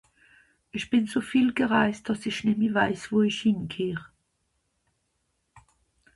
Isch bin so viel gereist, dass i nemme weiss, wo isch hingehöre